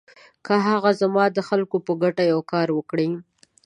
که هغه زما د خلکو په ګټه یو کار وکړي.